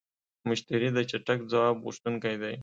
مشتری د چټک ځواب غوښتونکی دی.